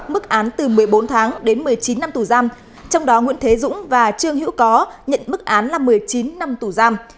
mức án từ một mươi bốn tháng đến một mươi chín năm tù giam trong đó nguyễn thế dũng và trương hữu có nhận mức án là một mươi chín năm tù giam